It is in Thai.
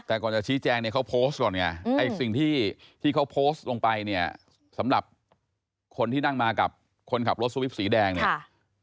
แต่ก่อนจะชี้แจงเนี่ยเขาโพสต์ก่อนไงไอ้สิ่งที่ที่เขาโพสต์ลงไปเนี่ยสำหรับคนที่นั่งมากับคนขับรถสวิปสีแดงเนี่ย